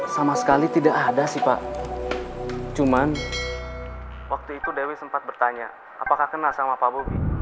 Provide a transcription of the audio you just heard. sama sekali tidak ada sih pak cuman waktu itu dewi sempat bertanya apakah kenal sama pak bobi